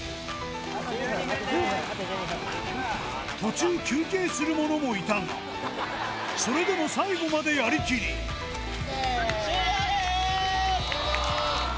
途中休憩する者もいたがそれでも最後までやりきり終了です！